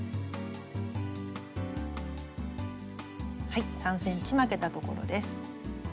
はい３ｃｍ巻けたところです。